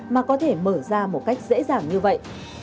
mà có thể mở ra một cách dễ dàng như vậy